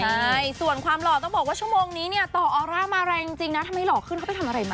ใช่ส่วนความหล่อต้องบอกว่าชั่วโมงนี้เนี่ยต่อออร่ามาแรงจริงนะทำไมหล่อขึ้นเขาไปทำอะไรมา